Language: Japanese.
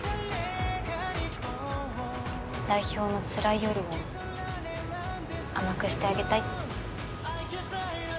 代表のつらい夜を甘くしてあげたいって。